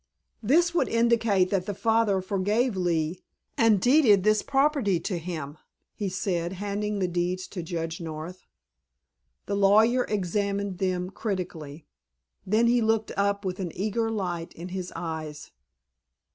"This would indicate that the father forgave Lee, and deeded this property to him," he said, handing the deeds to Judge North. The lawyer examined them critically. Then he looked up with an eager light in his eyes.